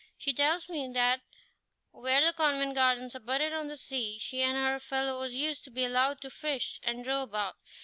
She tells me that where the convent gardens abutted on the sea, she and her fellows used to be allowed to fish and row about.